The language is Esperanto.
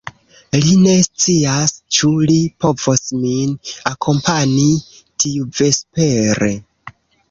Li ne scias, ĉu li povos min akompani tiuvespere.